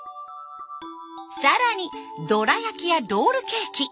更にどら焼きやロールケーキ。